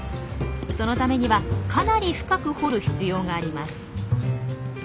そのためにはかなり深く掘る必要があります。